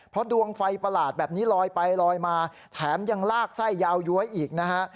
เพราะดวงไฟประหลาดแบบนี้ลอยไปลอยมาแถมยังลากไส้ยาวย้วยอีกนะฮะ